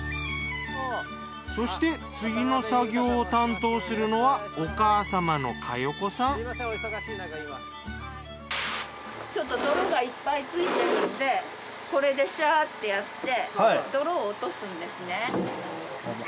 そして次の作業を担当するのはちょっと泥がいっぱいついてるんでこれでシャーッてやって泥を落とすんですね。